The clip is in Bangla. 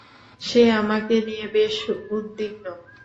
সে আমাকে নিয়ে বেশ উদ্বিগ্ন।